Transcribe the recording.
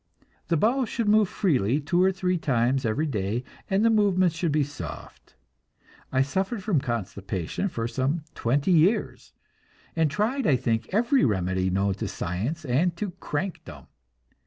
The bowels should move freely two or three times every day, and the movements should be soft. I suffered from constipation for some twenty years, and tried, I think, every remedy known both to science and to crankdom.